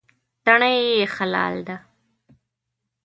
تڼۍ یې خلال ده.